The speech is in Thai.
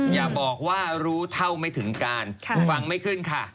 อย่าบอกว่ารู้เท่าไม่ถึงการฟังไม่ขึ้นค่ะ